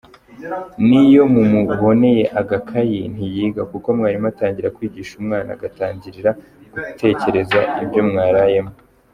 N’iyo mumuboneye agakayi ntiyiga kuko mwarimu atangira kwigisha umwana agatangira gutekereza ibyo mwarayemo.